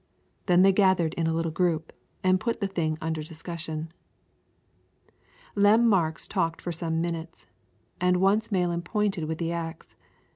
Then they gathered in a little group and put the thing under discussion. Lem Marks talked for some minutes, and once Malan pointed with the axe.